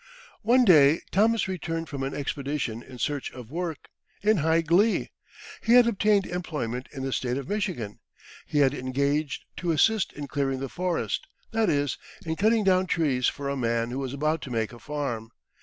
One day Thomas returned from an expedition in search of work, in high glee. He had obtained employment in the State of Michigan. He had engaged to assist in clearing the forest, that is, in cutting down trees for a man who was about to make a farm.